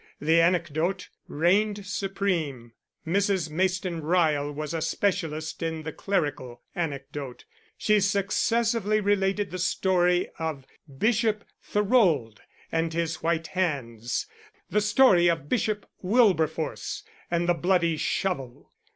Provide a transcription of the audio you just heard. The anecdote reigned supreme. Mrs. Mayston Ryle was a specialist in the clerical anecdote; she successively related the story of Bishop Thorold and his white hands, the story of Bishop Wilberforce and the bloody shovel.